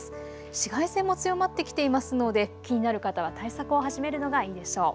紫外線も強まってきていますので気になる方は対策を始めるのがいいでしょう。